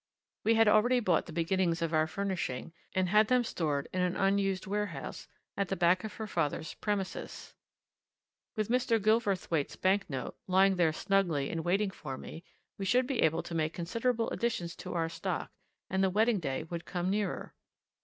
We had already bought the beginnings of our furnishing, and had them stored in an unused warehouse at the back of her father's premises; with Mr. Gilverthwaite's bank note, lying there snugly in waiting for me, we should be able to make considerable additions to our stock, and the wedding day would come nearer.